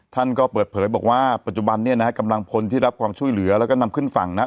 ท่านก็เปิดเผยบอกว่าปัจจุบันเนี่ยนะฮะกำลังพลที่รับความช่วยเหลือแล้วก็นำขึ้นฝั่งนะครับ